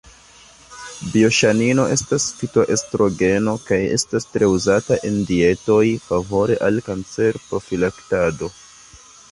Bioŝanino estas fitoestrogeno kaj estas tre uzata en dietoj favore al kancerprofilaktado.